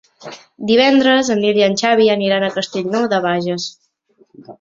Divendres en Nil i en Xavi aniran a Castellnou de Bages.